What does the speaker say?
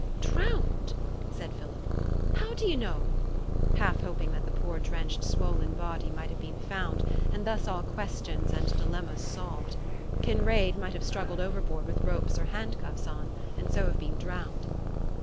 'Drowned!' said Philip. 'How do yo' know?' half hoping that the poor drenched swollen body might have been found, and thus all questions and dilemmas solved. Kinraid might have struggled overboard with ropes or handcuffs on, and so have been drowned.